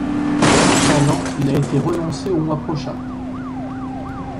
Cependant, il a été renoncé au mois prochain.